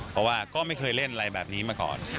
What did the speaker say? เพราะว่าก็ไม่เคยเล่นอะไรแบบนี้มาก่อน